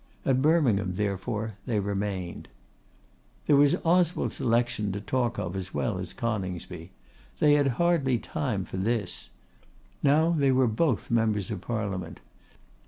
At Birmingham, therefore, they remained. There was Oswald's election to talk of as well as Coningsby's. They had hardly had time for this. Now they were both Members of Parliament.